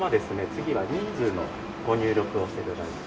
次は人数のご入力をして頂いて。